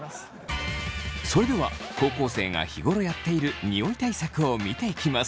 それでは高校生が日頃やっているニオイ対策を見ていきます。